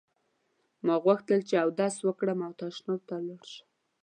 ما غوښتل چې اودس وکړم او تشناب ته لاړ شم.